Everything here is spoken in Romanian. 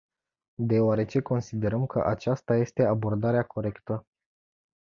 Deoarece considerăm că aceasta este abordarea corectă.